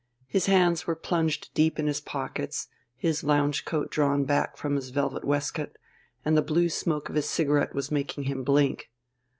His hands were plunged deep in his pockets, his lounge coat drawn back from his velvet waistcoat, and the blue smoke of his cigarette was making him blink.